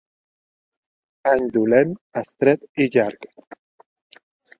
Any dolent, estret i llarg.